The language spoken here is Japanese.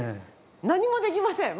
何もできません